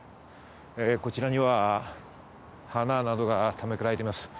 こちらには花などが手向けられています。